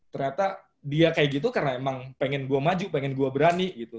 ternyata dia kayak gitu karena emang pengen gue maju pengen gue berani gitu